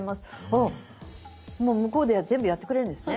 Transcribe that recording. ああもう向こうで全部やってくれるんですね。